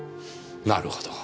なるほど。